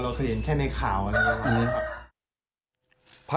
เราเคยเห็นแค่ในข่าวอะไรแบบนี้ครับ